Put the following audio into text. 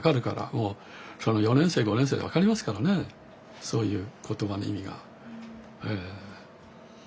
もう４年生５年生で分かりますからねそういう言葉の意味が。